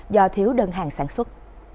do thiếu đơn hàng sản xuất